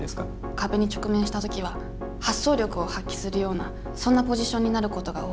壁に直面した時は発想力を発揮するようなそんなポジションになることが多いです。